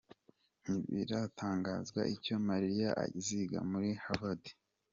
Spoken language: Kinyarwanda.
Ntibiratangazwa icyo Malia aziga muri Harvard.